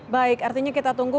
baik artinya kita tunggu